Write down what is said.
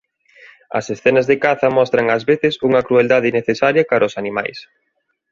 As escenas de caza mostran ás veces unha crueldade innecesaria cara aos animais.